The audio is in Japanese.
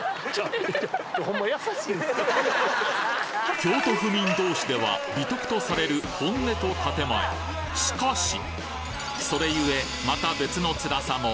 京都府民同士では美徳とされる本音と建前しかしそれ故また別のつらさも。